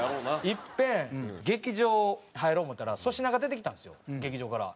いっぺん劇場入ろう思うたら粗品が出てきたんですよ劇場から。